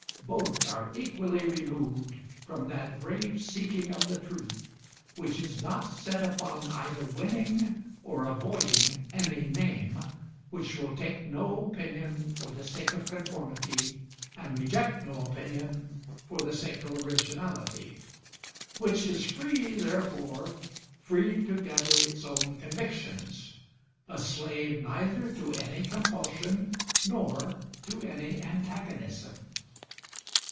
Both are equally removed from that brave seeking of the truth which is not set upon either winning or avoiding any name, which will take no opinion for the sake of conformity and reject no opinion for the sake of originality; which is free, therefore free to gather its own convictions, a slave neither to any compulsion nor to any antagonism.